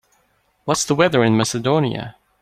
What's the weather in Macedonia